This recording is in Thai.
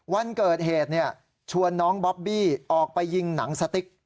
วันเกิดเหตุชวนน้องบอบบี้ออกไปยิงหนังสติ๊ก